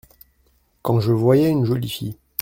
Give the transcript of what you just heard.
Quand je voyais une jolie fille !…